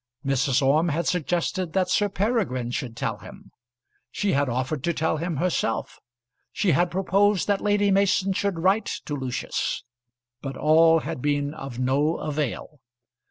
Mrs. Orme had suggested that Sir Peregrine should tell him; she had offered to tell him herself; she had proposed that Lady Mason should write to Lucius. But all had been of no avail.